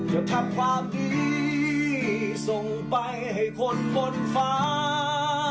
จะทำความดีส่งไปให้คนบนฟ้า